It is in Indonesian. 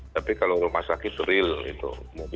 tapi kalau rumah sakit itu real